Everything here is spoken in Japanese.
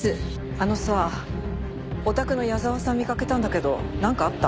あのさおたくの矢沢さん見かけたんだけどなんかあった？